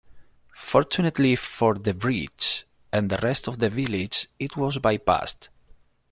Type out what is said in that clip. Fortunately for the bridge, and the rest of the village, it was bypassed.